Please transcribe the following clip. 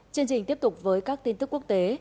chương trình tiếp tục với các tin tức quốc tế